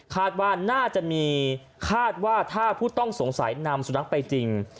คาดว่าน่าจะมีคาดว่าถ้าผู้ต้องสงสัยนำสุนัขไปจริง